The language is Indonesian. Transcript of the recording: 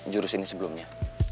juru sini sebelumnya